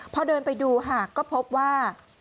พอเดินไปดูค่ะก็พบว่า